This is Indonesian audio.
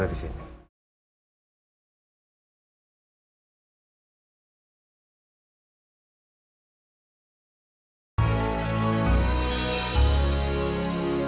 jika di sana biarkan durable nama lajparan